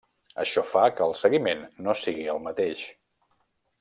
Això fa que el seguiment no sigui el mateix.